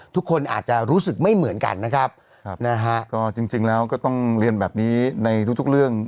ทุกคนอาจจะรู้สึกไม่เหมือนกันนะครับครับนะฮะก็จริงแล้วก็ต้องเรียนแบบนี้ในทุกทุกเรื่อง